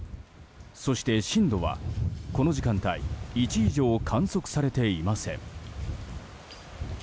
そして震度は、この時間帯１以上観測されていません。